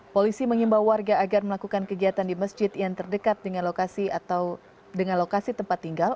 polisi mengimbau warga agar melakukan kegiatan di masjid yang terdekat dengan lokasi tempat tinggal